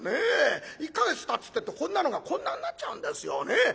１か月たつってえとこんなのがこんなんなっちゃうんですよね。